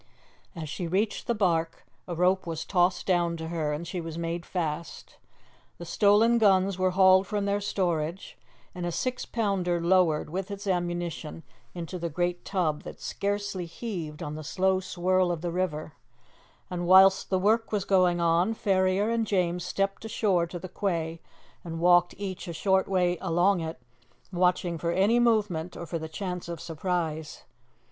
As she reached the barque a rope was tossed down to her, and she was made fast. The stolen guns were hauled from their storage, and a six pounder lowered, with its ammunition, into the great tub that scarcely heaved on the slow swirl of the river; and whilst the work was going on, Ferrier and James stepped ashore to the quay, and walked each a short way along it, watching for any movement or for the chance of surprise.